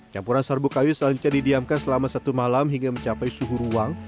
campuran serbu kayu selanjutnya didiamkan selama satu malam hingga mencapai suhu ruang